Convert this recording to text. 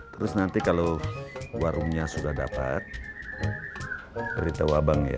terus nanti kalau warungnya sudah dapat beritahu abang ya